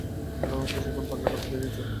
Office এখন পাগলাগারদ হয়ে আছে!